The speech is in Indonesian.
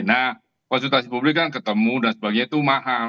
nah konsultasi publik kan ketemu dan sebagainya itu mahal